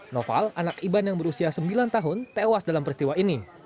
noval anak iban yang berusia sembilan tahun tewas dalam peristiwa ini